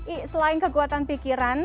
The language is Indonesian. i selain kekuatan pikiran